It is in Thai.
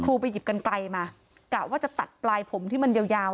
ไปหยิบกันไกลมากะว่าจะตัดปลายผมที่มันยาวยาว